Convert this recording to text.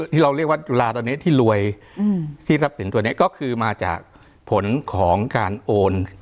ที่เราเรียกว่าจุฬาตอนนี้ที่รวยที่ทรัพย์สินตัวนี้ก็คือมาจากผลของการโอน